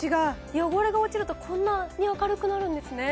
汚れが落ちるとこんなに明るくなるんですね